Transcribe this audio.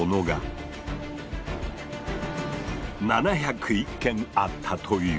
７０１件あったという！